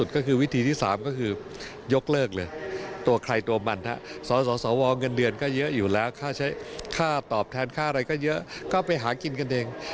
ก็คือวิธีที่๓ก็คือยกเลิกเลยตัวใครตัวมันสสวเงินเดือนก็เยอะอยู่แล้วค่าใช้ค่าตอบแทนค่าอะไรก็เยอะก็ไปหากินกันเอง